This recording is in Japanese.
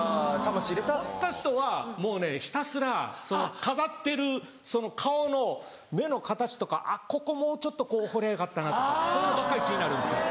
彫った人はもうねひたすら飾ってる顔の目の形とかここもうちょっとこう彫りゃよかったなとかそればっかり気になるんですよ。